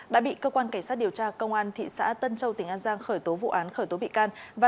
đã bị cơ quan cảnh sát điều tra công an thị xã tân châu tỉnh an giang khởi tố vụ án khởi tố bị can